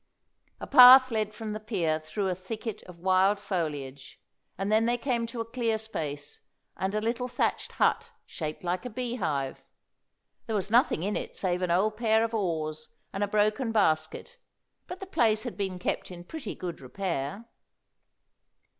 A path led from the pier through a thicket of wild foliage, and then they came to a clear space and a little thatched hut shaped like a bee hive. There was nothing in it save an old pair of oars and a broken basket, but the place had been kept in pretty good repair.